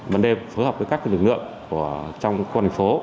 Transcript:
ban đêm phối hợp với các lực lượng trong khu vực thành phố